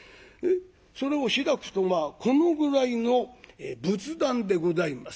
それを開くとまあこのぐらいの仏壇でございます。